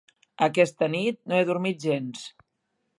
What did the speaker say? Aquesta nit no he dormit gens.